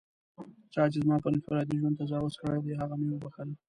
چا چې زما پر انفرادي ژوند تجاوز کړی دی، هغه مې و بښل.